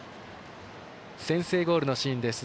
先制ゴールのシーンです。